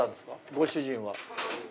ご主人は。